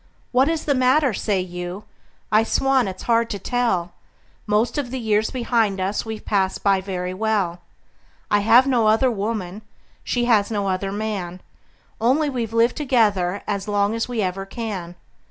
"What is the matter?" say you. I swan it's hard to tell! Most of the years behind us we've passed by very well; I have no other woman, she has no other man Only we've lived together as long as we ever can.